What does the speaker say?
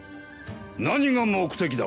何が目的だ